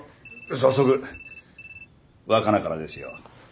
早速若菜からですよ。